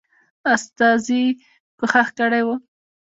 استازي کوښښ کړی وو.